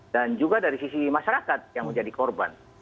dan juga dari sisi masyarakat yang menjadi korban